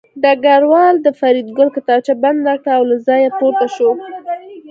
ډګروال د فریدګل کتابچه بنده کړه او له ځایه پورته شو